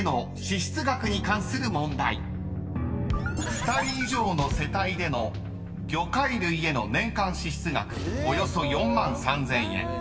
［２人以上の世帯での魚介類への年間支出額およそ４万３，０００円］